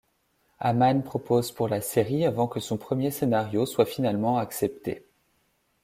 Amann propose pour la série avant que son premier scénario soit finalement accepté.